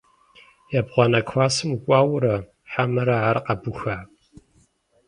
Ебгъуанэ классым укӏуауэра хьэмэрэ ар къэбуха?